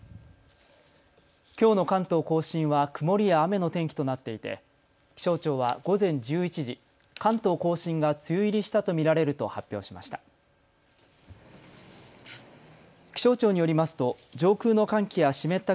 きょうの関東甲信は曇りや雨の天気となっていて気象庁は午前１１時、関東甲信が梅雨入りしたと見られると発表しました。